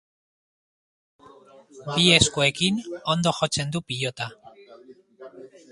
Bi eskuekin ondo jotzen du pilota.